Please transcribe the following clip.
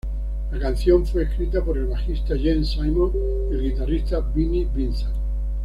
La canción fue escrita por el bajista Gene Simmons y el guitarrista Vinnie Vincent.